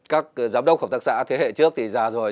các giám đốc hợp tác xã thế hệ trước thì già rồi